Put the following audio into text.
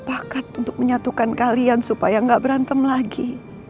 tadinya mama dan om alex sepakat untuk menyatukan kalian supaya gak berantem lagi